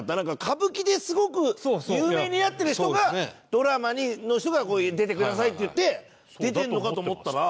歌舞伎ですごく有名になってる人がドラマの人が「出てください」って言って出てるのかと思ったら。